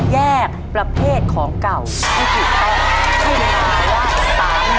แยกประเภทของเก่าที่ถูกต้อง